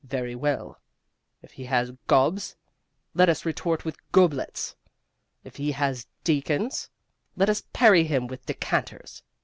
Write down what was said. Very well: if he has gobs, let us retort with goblets. If he has deacons, let us parry him with decanters.